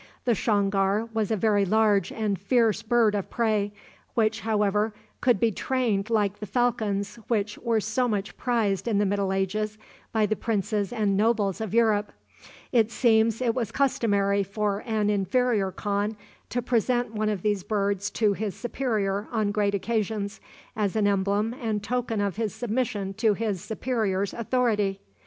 The shongar was a very large and fierce bird of prey, which, however, could be trained like the falcons which were so much prized in the Middle Ages by the princes and nobles of Europe. It seems it was customary for an inferior khan to present one of these birds to his superior on great occasions, as an emblem and token of his submission to his superior's authority.